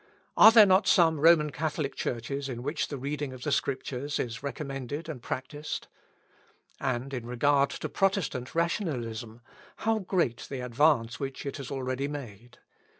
Are there not some Roman Catholic churches in which the reading of the Scriptures is recommended and practised? And, in regard to Protestant rationalism, how great the advance which it has already made!